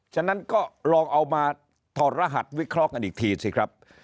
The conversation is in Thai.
ฉะนั้นก็ลองเอามาถอดรหัสวิเคราะห์กันอีกทีสิครับ